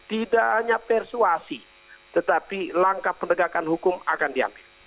tidak hanya persuasi tetapi langkah penegakan hukum akan diambil